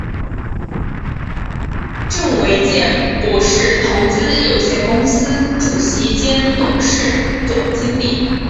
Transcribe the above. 郑维健博士投资有限公司主席兼董事总经理。